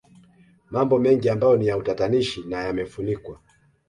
Mambo mengi ambayo ni ya utatanishi na yamefunikwa